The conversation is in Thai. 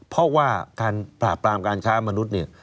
เพราะว่าการปราบปรามการค้ามนุษย์เนี่ย